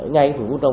ngay phường quốc trông